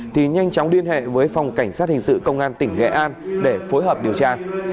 thì nhanh chóng liên hệ với phòng cảnh sát hình sự công an tỉnh nghệ an để phối hợp điều tra